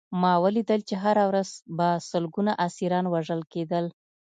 ما ولیدل چې هره ورځ به لسګونه اسیران وژل کېدل